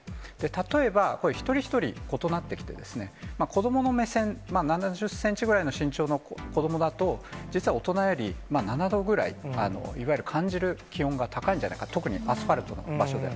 例えば、一人一人、異なってきてですね、子どもの目線、７０センチぐらいの身長の子どもだと、実は大人より７度ぐらい、いわゆる感じる気温が高いんじゃないか、特にアスファルトの場所では。